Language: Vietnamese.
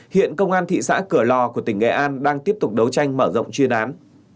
hiện công an thị xã cửa lò của tỉnh nghệ an đang tiếp tục đấu tranh mở rộng chuyên án